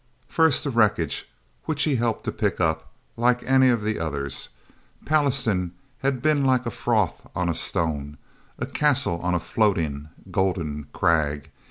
First, the wreckage, which he helped to pick up, like any of the others. Pallastown had been like froth on a stone, a castle on a floating, golden crag.